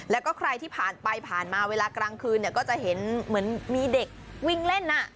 แล้วก็ใครที่ผ่านไปผ่านมาเวลากลางคืนเนี่ยก็จะเห็นเหมือนมีเด็กวิ่งเล่น